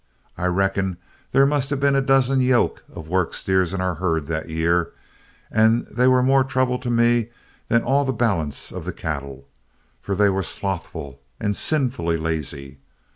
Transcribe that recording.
I reckon there must have been a dozen yoke of work steers in our herd that year, and they were more trouble to me than all the balance of the cattle, for they were slothful and sinfully lazy.